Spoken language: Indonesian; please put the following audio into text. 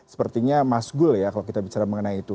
sepertinya masgul ya kalau kita bicara mengenai itu